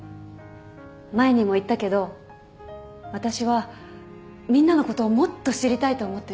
前にも言ったけど私はみんなのことをもっと知りたいと思ってる。